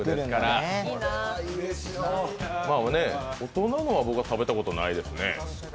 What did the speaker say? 大人のは僕は食べたことないですね。